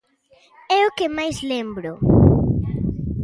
É o que máis lembro.